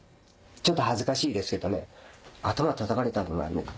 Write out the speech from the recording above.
ちょっと恥ずかしいですけどね頭たたかれたのが。